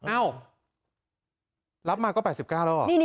เอ้ารับมาก็๘๙แล้วเหรอ